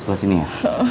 sampai sini ya